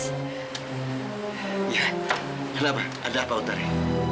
iya kenapa ada apa otari